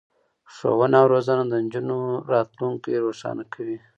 ښوونه او روزنه د نجونو راتلونکی روښانه کوي.